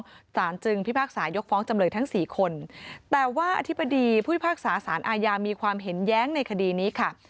สารจึงพิพากษายกฟ้องจำเลยทั้งสี่คนแต่ว่าอธิบดีผู้พิพากษาสารอาญามีความเห็นแย้งในคดีนี้ค่ะ